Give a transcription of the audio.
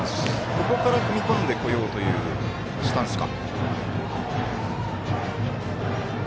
ここから踏み込んでこようというスタンスか。